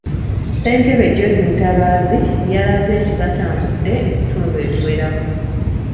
Ssentebe George Mutabaazi yalaze nti batambude ebitundu ebiwerako.